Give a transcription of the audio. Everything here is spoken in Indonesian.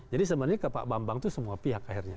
jadi sebenarnya ke pak bambang itu semua pihak akhirnya